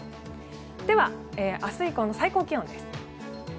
では、明日以降の最高気温です。